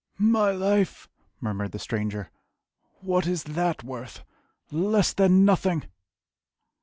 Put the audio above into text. "My life!" murmured the stranger "What is that worth? Less than nothing!"